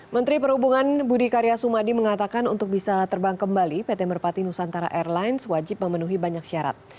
menteri perhubungan budi karya sumadi mengatakan untuk bisa terbang kembali pt merpati nusantara airlines wajib memenuhi banyak syarat